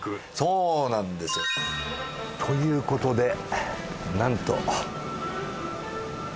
そうなんですよ。という事でなんと。